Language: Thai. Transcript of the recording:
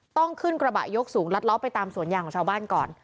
ต้องขึ้นกระบะยกสูงลัดล้อไปตามสวนยางของชาวบ้านก่อน